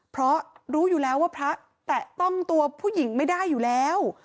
เพราะรู้อยู่แล้วว่าพระแตะต้องตัวผู้หญิงไม่ได้อยู่แล้ว